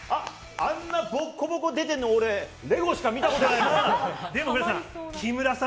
あんなボッコボコに出てるの、俺、ＬＥＧＯしか見たことないもん。